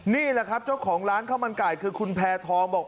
นี่แหละครับเจ้าของร้านข้าวมันไก่คือคุณแพทองบอก